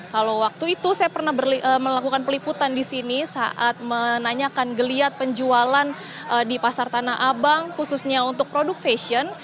kalau waktu itu saya pernah melakukan peliputan di sini saat menanyakan geliat penjualan di pasar tanah abang khususnya untuk produk fashion